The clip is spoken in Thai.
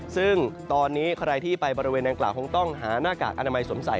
ซึ่งตอนนี้ใครที่ไปบริเวณนางกล่าวคงต้องหาหน้ากากอนามัยสวมใส่